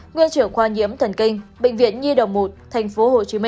nguyên trưởng khoa nhiễm thần kinh bệnh viện nhi đồng một tp hcm